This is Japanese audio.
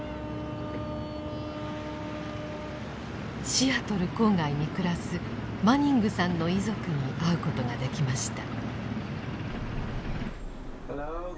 シアトル郊外に暮らすマニングさんの遺族に会うことができました。